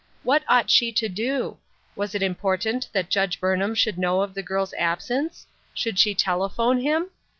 What ought she to do ? Was it important that Judge Burnham should know of the girl's absence? Should she telephone him